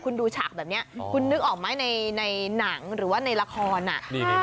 คุณดูฉากแบบเนี้ยคุณนึกออกไหมในในหนังหรือว่าในละครอ่ะนี่นี่นี่